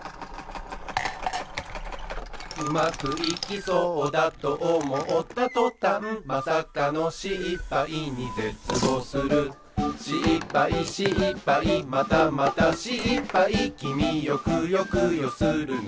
「うまくいきそうだとおもったとたん」「まさかのしっぱいにぜつぼうする」「しっぱいしっぱいまたまたしっぱい」「きみよくよくよするな」